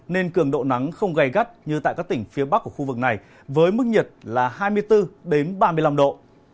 nên cường độ nắng không gây gắt như tại các tỉnh phía bắc của khu vực này với mức nhiệt là hai mươi bốn ba mươi năm độ